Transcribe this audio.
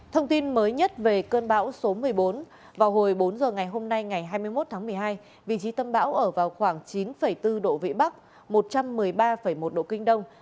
thông tin mới nhất về cơn bão số một mươi bốn vào hồi bốn h ngày hôm nay ngày hai mươi một tháng một mươi hai vị trí tâm bão ở vào khoảng chín bốn độ vĩ bắc một trăm một mươi ba một độ kinh đông